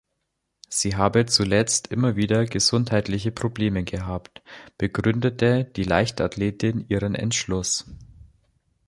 Sie habe zuletzt immer wieder gesundheitliche Probleme gehabt, begründete die Leichtathletin ihren Entschluss.